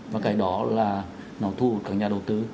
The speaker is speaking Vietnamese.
và cái đó là nó thu hút các nhà đầu tư